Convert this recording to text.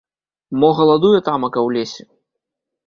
Мо галадуе тамака ў лесе?